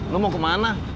lo mau kemana